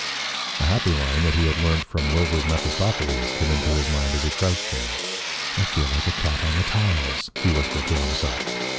A happy line that he had learnt from Wills's "Mephistopheles" came into his mind as he crouched there. "I feel like a cat on the tiles," he whispered to himself.